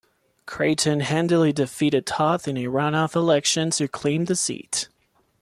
Creighton handily defeated Toth in a runoff election to claim the seat.